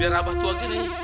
biar abah tua gini